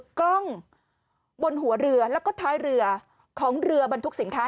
กล้องบนหัวเรือแล้วก็ท้ายเรือของเรือบรรทุกสินค้า